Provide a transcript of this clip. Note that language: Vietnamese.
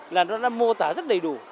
là nó đã mô tả rất đầy đủ